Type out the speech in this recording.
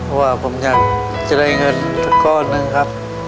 เพราะว่าผมอยากจะได้เงินสักก้อนหนึ่งครับ